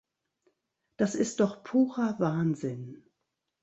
Das ist doch purer Wahnsinn!